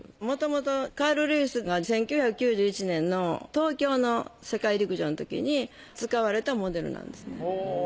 もともとカール・ルイスが１９９１年の東京の世界陸上のときに使われたモデルなんですね。